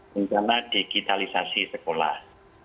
misalnya digitalisasi sekolah